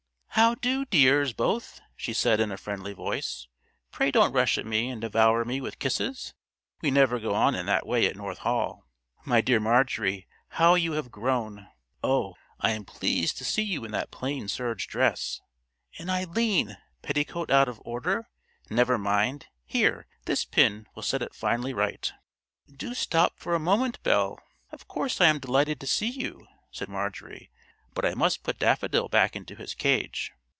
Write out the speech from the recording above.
"How do, dears, both?" she said in a friendly voice. "Pray don't rush at me and devour me with kisses; we never go on in that way at North Hall. My dear Marjorie, how you have grown! Oh! I am pleased to see you in that plain serge dress; and Eileen—petticoat out of order? Never mind—here, this pin will set it finally right." "Do stop for a moment, Belle. Of course I am delighted to see you," said Marjorie, "but I must put Daffodil back into his cage."